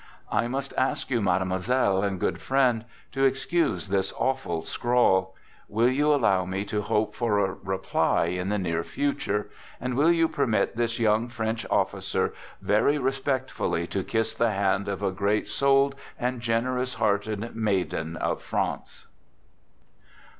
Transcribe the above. I must ask you, Mademoiselle and good friend, to excuse this awful scrawl. Will you allow me to hope for a reply in the near future, and will you permit this young French officer very respectfully to kiss the hand of a great souled and generous hearted maiden of France?